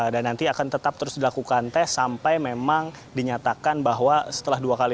dan nanti akan tetap terus dilakukan tes sampai memang dinyatakan bahwa setelah dua kali ini